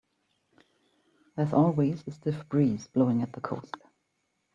There's always a stiff breeze blowing at the coast.